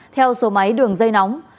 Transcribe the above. theo số máy đường dây nóng